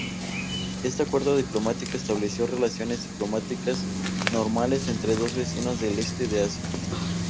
Este acuerdo diplomático estableció relaciones diplomáticas "normales" entre dos vecinos del este de Asia.